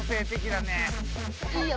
いいよ。